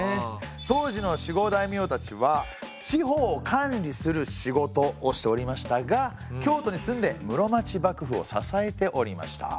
当時の守護大名たちは地方を管理する仕事をしておりましたが京都に住んで室町幕府を支えておりました。